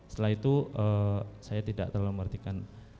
setelah itu saya tidak terlalu mengartikan